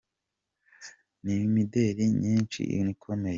n’imideli nyinshi n’ikomeye.